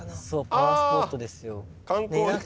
パワースポットですよ。